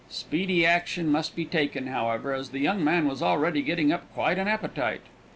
Speedy action must be taken, however, as the young man was already getting up quite an appetite.